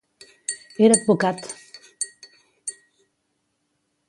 Era advocat.